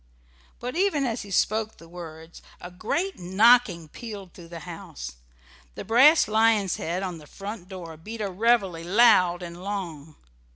But even as he spoke the words a great knocking pealed through the house: the brass lion's head on the front door beat a reveille loud and long.